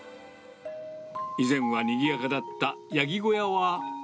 以前はにぎやかだった、ヤギ小屋は。